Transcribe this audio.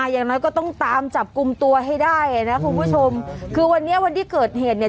อย่างน้อยก็ต้องตามจับกลุ่มตัวให้ได้อ่ะนะคุณผู้ชมคือวันนี้วันที่เกิดเหตุเนี่ย